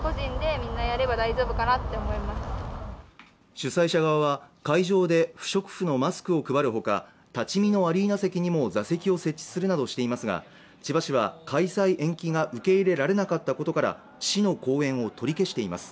主催者側は、会場で不織布のマスクを配るほか、立ち見のアリーナ席にも座席を設置するなどしていますが千葉市は、開催延期が受け入れられなかったことから市の後援を取り消しています。